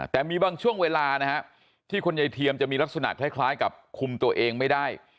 แต่มีบางช่วงเวลานะฮะที่คุณยายเทียมจะมีลักษณะคล้ายกับคุมตัวเองไม่ได้